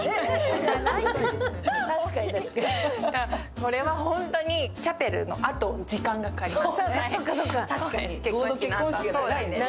これはチャペルのあと、時間がかかります。